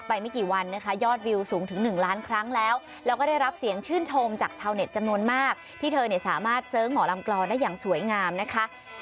สวยด้วยนะใช่ค่ะสวยด้วยสนุกสนานด้วยรำก็สวยด้วยนะคะ